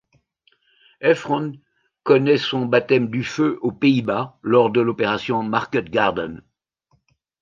Heffron connaît son baptême du feu aux Pays-Bas lors de l'opération Market Garden.